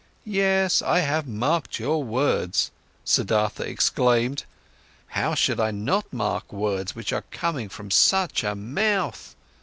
"Yes, I have marked your words," Siddhartha exclaimed. "How should I not mark words which are coming from such a mouth!